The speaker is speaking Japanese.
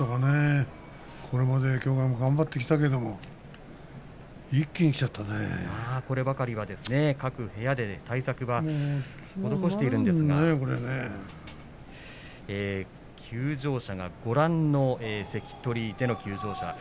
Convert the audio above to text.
これまで協会も頑張ってきたけれどこればかりは各部屋で対策は施しているんですが休場者が関取での休場者。